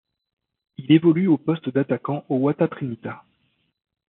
Il évolue au poste d'attaquant au Oita Trinita.